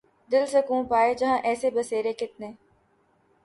دل سکوں پائے جہاں ایسے بسیرے کتنے